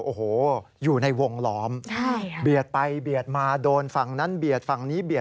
โอ้โหอยู่ในวงล้อมเบียดไปเบียดมาโดนฝั่งนั้นเบียดฝั่งนี้เบียด